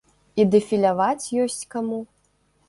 І дэфіляваць ёсць каму.